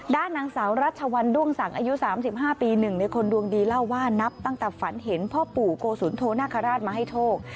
ด้านนางสาวรัชวันด้วงสังอายุ๓๕ปี๑ในคนดวงดีเล่าว่านับตั้งแต่ฝันเห็นพ่อปู่โกสุนโทนาคาราชมาให้โชค